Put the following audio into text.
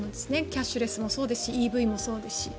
キャッシュレスもそうですしＥＶもそうですし。